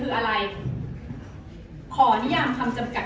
อ๋อแต่มีอีกอย่างนึงค่ะ